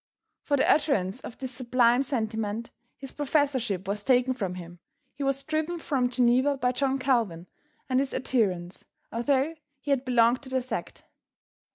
For the utterance of this sublime sentiment his professorship was taken from him, he was driven from Geneva by John Calvin and his adherents, although he had belonged to their sect.